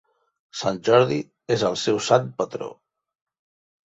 Sant Jordi és el seu sant patró.